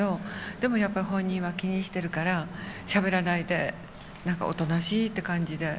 でもやっぱり本人は気にしてるからしゃべらないでおとなしいって感じで。